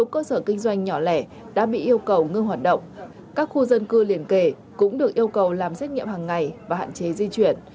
các khu dân cư liên kể cũng được yêu cầu làm xét nghiệm hàng ngày và hạn chế di chuyển